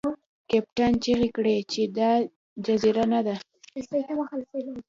کپتان چیغې کړې چې دا جزیره نه ده.